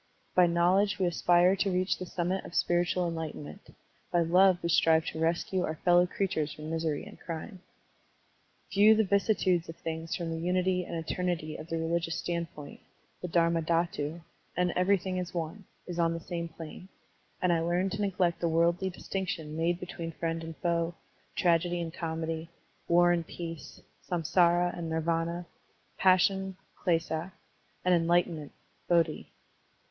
By knowledge we aspire to reach the summit of spiritual enlightenment; by love we strive to rescue our fellow creatures from misery and crime. View the vicissitudes of things from the unity and eternity of the religious standpoint, Digitized by Google 200 SERMONS OF A BUDDHIST ABBOT the Dharmadhatu, and eveiything is one, is on the same plane, and I learn to neglect the worldly distinction made between friend and foe, tragedy and comedy, war and peace, sams4ra and nirvana, passion {kle(a) and enlightenment (bodhi).